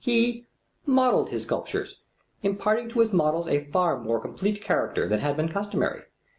He ... modelled his sculptures ... imparting to his models a far more complete character than had been customary.